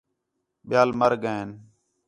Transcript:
ٻِیال مَر ڳئین